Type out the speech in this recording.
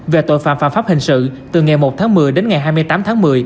về tội phạm phạm pháp hình sự từ ngày một tháng một mươi đến ngày hai mươi tám tháng một mươi